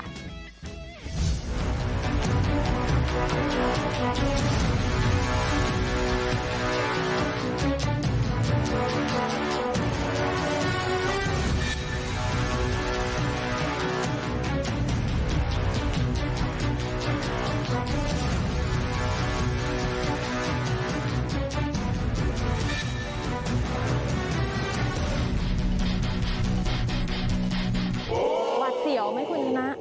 หวัดเสียวมั้ยคุณฮะนะ